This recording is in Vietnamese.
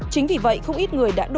chính vì vậy không ít người đại dịch